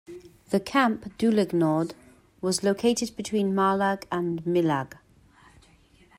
The camp Dulag Nord was located between "Marlag" and "Milag".